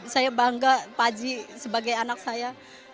saya bangga pazi sebagai anak saya